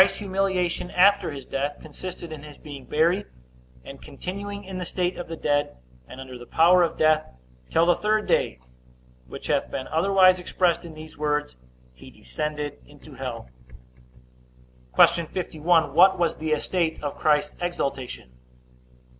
Christ's humiliation after his death consisted in his being buried, and continuing in the state of the dead, and under the power of death till the third day; which hath been otherwise expressed in these words, He descended into hell. Q. 51. What was the estate of Christ's exaltation?